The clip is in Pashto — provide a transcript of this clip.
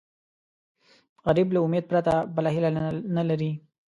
غریب له امید پرته بله هیله نه لري